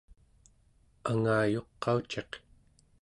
angayuqauciq